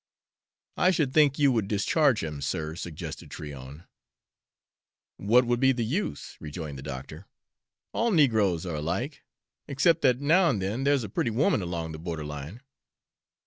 "I should think you would discharge him, sir," suggested Tryon. "What would be the use?" rejoined the doctor. "All negroes are alike, except that now and then there's a pretty woman along the border line.